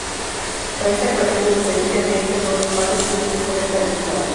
Para esta ecuación, la diferencia D entre todos los pares tiene que ser calculada.